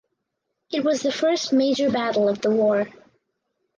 It was the first major battle of the war.